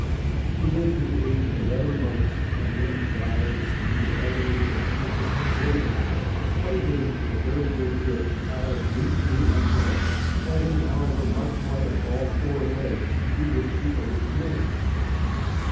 She lived to the age of eleven months, and then died in the agonies of strychnine poisoning. THE MEXICAN HAIRLESS DOG. 653 White Wings (9251) is a very good bitch, out of Me Too and Nellie, having, however, much white on all four legs, and to which she owes her name.